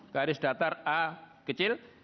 garis datar a kecil